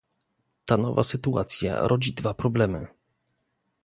Ta nowa sytuacja rodzi dwa problemy